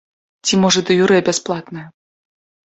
Ці можа дэ-юрэ бясплатная.